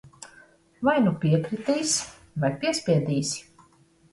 Vai nu piekritīs, vai piespiedīsi.